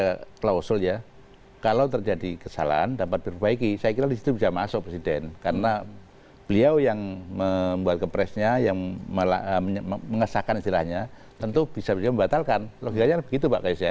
kepres itu kan ada klausul ya kalau terjadi kesalahan dapat berbaiki saya kira di situ bisa masuk presiden karena beliau yang membuat kepresnya yang mengesahkan istilahnya tentu bisa beliau membatalkan logikanya begitu pak gaius ya